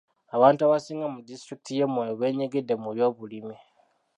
Abantu abasinga mu disitulikiti y'e Moyo beenyigidde mu by'obulimi.